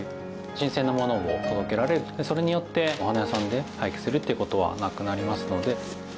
新鮮な物を届けられるそれによってお花屋さんで廃棄するっていうことはなくなりますので。